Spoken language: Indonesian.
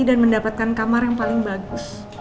dan mendapatkan kamar yang paling bagus